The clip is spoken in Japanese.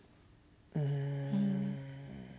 うん。